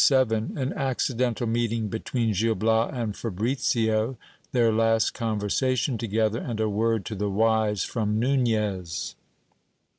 — An accidental meeting between Gil Bias and Fabricio. Their last conversation together, and a word to the wise from Nunez.